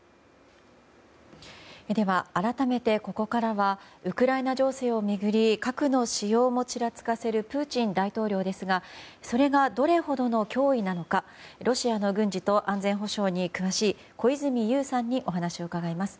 改めて、ここからはウクライナ情勢を巡り核の使用もちらつかせるプーチン大統領ですがそれが、どれほどの脅威なのかロシアの軍事と安全保障に詳しい小泉悠さんにお話を伺います。